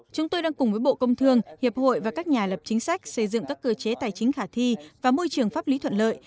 chúng tôi đang cùng với bộ công thương hiệp hội và các nhà lập chính sách xây dựng các cơ chế tài chính khả thi và môi trường pháp lý thuận lợi